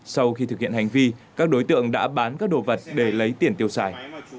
sau khi thực hiện hành vi các đối tượng đã bán các đồ vật để lấy tiền tiêu xài